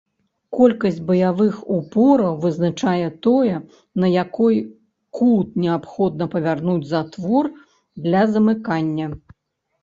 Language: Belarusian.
Колькасць баявых упораў вызначае тое, на якой кут неабходна павярнуць затвор для замыкання.